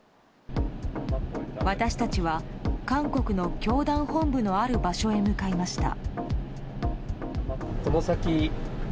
私たちは韓国の教団本部のある場所へ向かいました。